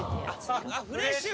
フレッシュ！